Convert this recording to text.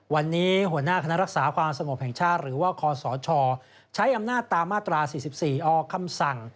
วันนี้หัวหน้าคณะรักษาความสงบแห่งชาติหรือว่าคศใช้อำนาจตามมาตรา๔๔ออกคำสั่ง